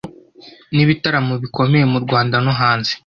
n’ibitaramo bikomeye mu Rwanda no hanze